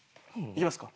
行きますか？